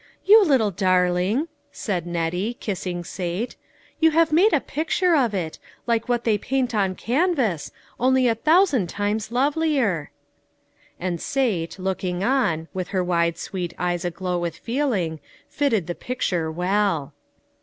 " You little darling," said Nettie, kissing Sate, " you have made a picture of it, like what they paint on canvas, only a thousand times lovelier." And Sate, looking on, with her wide sweet eyes aglow with feeling, fitted the picture well.